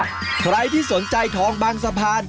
ใครที่สนใจทองบางสะพาน